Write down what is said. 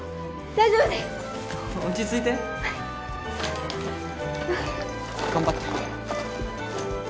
大丈夫ですはい落ち着いて頑張って